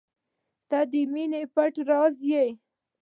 • ته د مینې پټ راز یې.